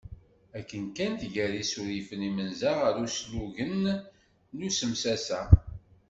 Akken kan tger isurifen imenza ɣer uslugen d usemsasa.